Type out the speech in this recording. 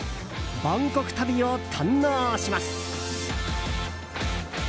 バンコク旅を堪能します。